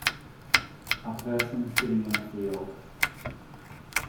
A person sitting in a field.